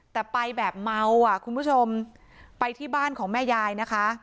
แต่ไปแบบเมาอ่ะคุณผู้ชมไปที่บ้านของแม่ยายนะคะ